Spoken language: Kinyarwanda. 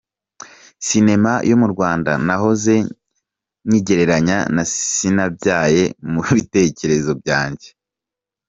Sinema yo mu Rwanda nahoze nyigereranya na sinabyaye mu bitekerezo byanjye.